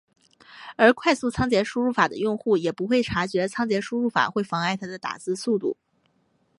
而快速仓颉输入法的用户也不会察觉仓颉输入法会妨碍他的打字速度。